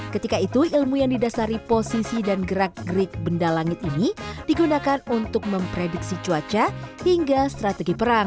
ketika itu ilmu yang didasari posisi dan gerak gerik benda langit ini digunakan untuk memprediksi cuaca hingga strategi perang